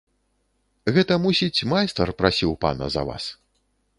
Гэта, мусіць, майстар прасіў пана за вас.